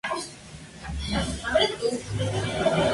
Subsecretaría de Ecoturismo de Misiones